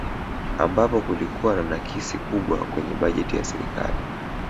Ambapo kulikuwa na nakisi kubwa kwenye bajeti ya serikali